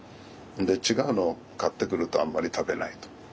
違うのを買ってくるとあんまり食べないと。